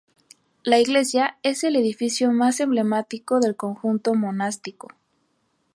La iglesia es el edificio más emblemático del conjunto monástico.